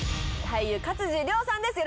俳優勝地涼さんです